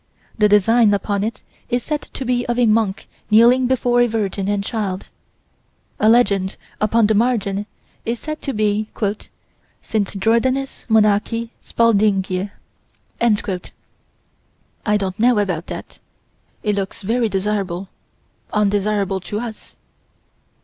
The design upon it is said to be of a monk kneeling before a virgin and child: a legend upon the margin is said to be: "St. Jordanis Monachi Spaldingie." I don't know about that. It looks very desirable undesirable to us.